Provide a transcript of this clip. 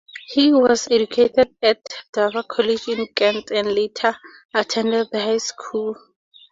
He was educated at Dover College in Kent and later attended The High School.